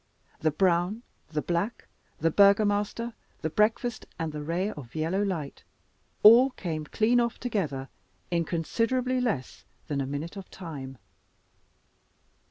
The brown, the black, the Burgomaster, the breakfast, and the ray of yellow light, all came clean off together in considerably less than a minute of time.